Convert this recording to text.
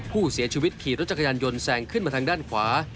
ผู้เสียชีวิตขี่รถจักรยานยนต์แซงขึ้นมาทางด้านขวา